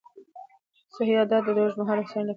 صحي عادتونه د اوږدمهاله هوساینې لپاره اړین دي.